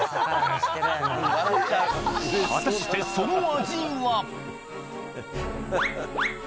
果たしてその味は？